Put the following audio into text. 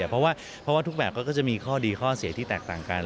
เพราะว่าทุกแบบก็จะมีข้อดีข้อเสียที่แตกต่างกัน